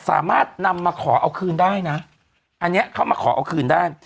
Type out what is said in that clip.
สามารถนำมาขอเอาคืนได้นะอันนี้เข้ามาขอเอาคืนได้